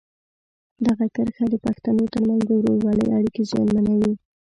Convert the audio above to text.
دغه کرښه د پښتنو ترمنځ د ورورولۍ اړیکې زیانمنوي.